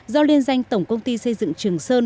do liên danh tổng công ty xây dựng trường sơn